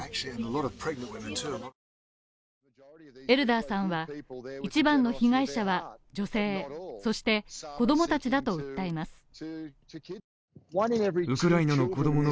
エルダーさんは、一番の被害者は女性、そして子供たちだと訴えます。